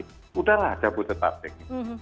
sudahlah ada buta detapek